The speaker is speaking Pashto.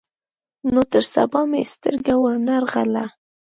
نو تر سبا مې سترګه ور نه غله.